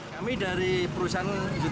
kami dari perusahaan isutsg